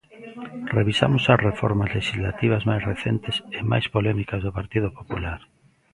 Revisamos as reformas lexislativas máis recentes e máis polémicas do Partido Popular.